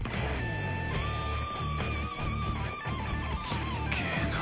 しつけえな。